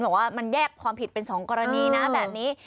บอกว่ามันแยกความผิดเป็น๒กรณีนะแบบนี้